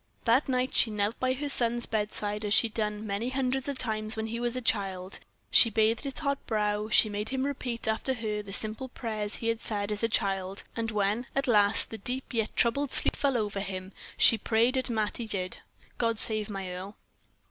That night she knelt by her son's bedside, as she had done many hundreds of times when he was a child; she bathed his hot brow, she made him repeat, after her, the simple prayers he had said as a child; and when, at last, the deep yet troubled sleep fell over him, she prayed as Mattie did "God save my Earle."